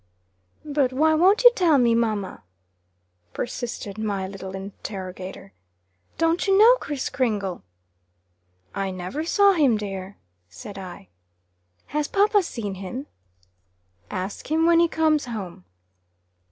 "But why won't you tell me, mamma?" persisted my little interrogator. "Don't you know Kriss Kringle?" "I never saw him, dear," said I. "Has papa seen him?" "Ask him when he comes home."